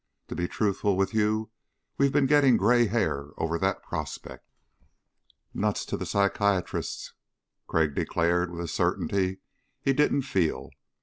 To be truthful with you, we've been getting gray hair over that prospect." "Nuts to the psychiatrists," Crag declared with a certainty he didn't feel.